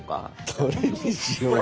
どれにしようかな。